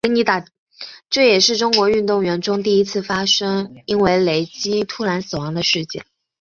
这也是中国运动员中第一次发生因为雷击突然死亡的事件。